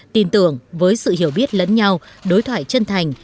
tin tưởng với sự hiểu biết lẫn nhau đối thoại chân thành